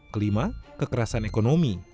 kelima kekerasan ekonomi